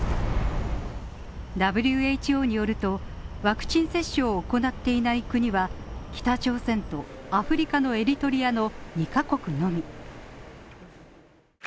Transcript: ＷＨＯによると、ワクチン接種を行っていない国は北朝鮮とアフリカのエリトリアの２カ国のみ。